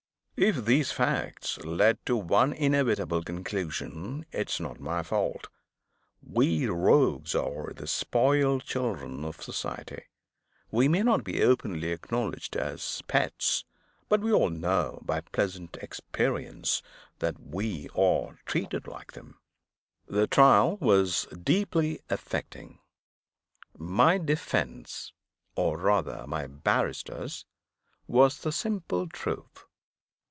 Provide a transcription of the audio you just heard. If these facts led to one inevitable conclusion, it is not my fault. We Rogues are the spoiled children of Society. We may not be openly acknowledged as Pets, but we all know, by pleasant experience, that we are treated like them. The trial was deeply affecting. My defense or rather my barrister's was the simple truth.